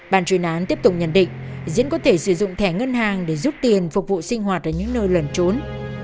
bàn truy nán tiếp tục nhận định diễn có thể sử dụng thẻ ngân hàng để giúp tiền phục vụ sinh hoạt ở những nơi lần trốn